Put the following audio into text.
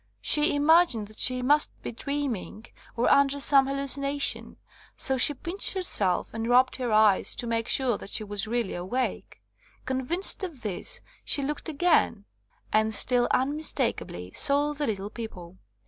She imagined that she must be dream ing, or under some hallucination, so she pinched herself and rubbed her eyes to make sure that she was really awake. Convinced of this, she looked again, and still unmis takably saw the 'little people.'